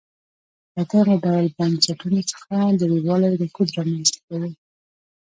له دغه ډول بنسټونو څخه لرېوالی رکود رامنځته کوي.